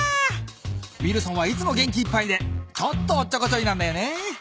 ウィルソンはいつも元気いっぱいでちょっとおっちょこちょいなんだよね。